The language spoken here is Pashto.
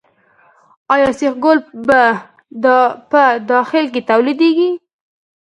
آیا سیخ ګول په داخل کې تولیدیږي؟